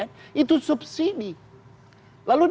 mereka box stock misalnya